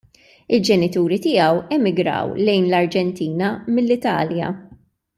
Il-ġenituri tiegħu emigrew lejn l-Arġentina mill-Italja.